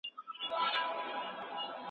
اوس لا ژاړې له آسمانه له قسمته